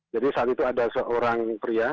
jadi saat itu ada seorang pria